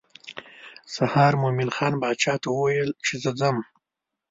سهار مومن خان باچا ته وویل چې زه ځم.